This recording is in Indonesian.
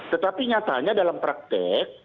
tetapi nyatanya dalam praktek